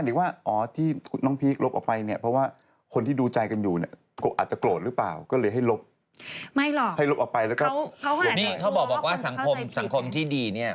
ให้ลบออกไปแล้วยกไปนี่เขาบอกว่าสังคมที่ดีเนี่ย